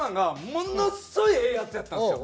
ものすごいええヤツやったんですよ。